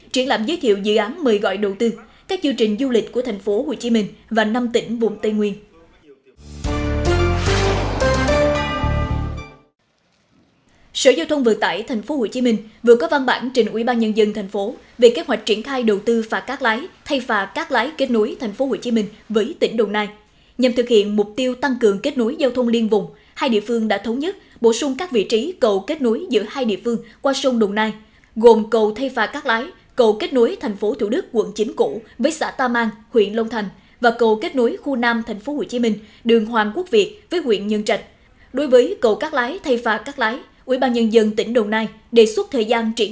triển lãm giới thiệu dự án mời gọi đầu tư các dư trình du lịch của thành phố hồ chí minh và năm tỉnh vùng tây nguyên